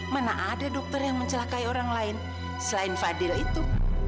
mana ada dokter yang mencelakai orang lain selain fadil itu